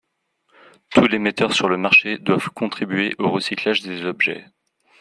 Tous les metteurs sur le marché doivent contribuer au recyclage des objets.